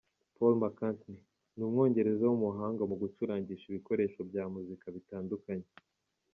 Paul McCartney: Ni umwongereza w’umuhanga mu gucurangisha ibikoresho bya muzika bitandukanye.